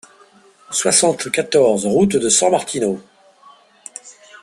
soixante-quatorze route de San-Martino